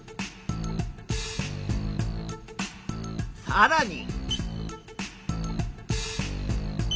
さらに。